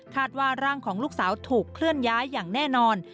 ว่าร่างของลูกสาวถูกเคลื่อนย้ายอย่างแน่นอน